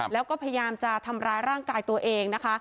แล้วก็พยายามจะทำร้ายร่างกายตัวเองนะคะ